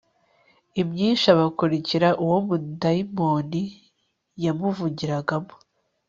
imyinshi abakurikira uwo mudayimoni yamuvugiragamo